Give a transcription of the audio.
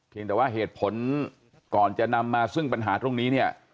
แต่ว่าเหตุผลก่อนจะนำมาซึ่งปัญหาตรงนี้เนี่ย